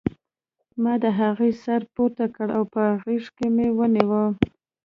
ما د هغې سر پورته کړ او په غېږ کې مې ونیو